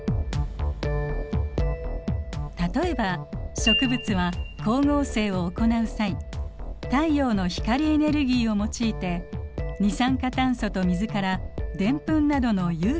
例えば植物は光合成を行う際太陽の光エネルギーを用いて二酸化炭素と水からデンプンなどの有機物を合成。